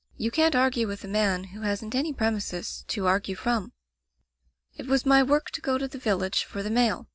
You can't argue with a man who hasn't any premises to argue from. "It was my work to go to the village for the mail.